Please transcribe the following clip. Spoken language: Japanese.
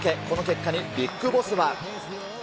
この結果にビッグボスは。